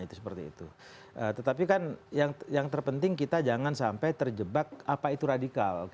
tetapi kan yang terpenting kita jangan sampai terjebak apa itu radikal